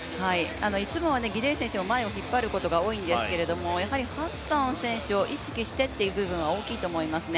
いつもはギデイ選手が前を引っ張ることが多いんですけどやはりハッサン選手を意識してという部分が大きいと思いますね。